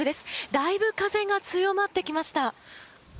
だいぶ風が強まってきました。